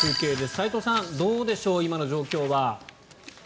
齋藤さん、どうでしょう今の状況は。